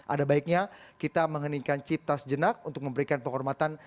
ada baiknya kita mengeningkan cipta sejenak untuk memberikan penghormatan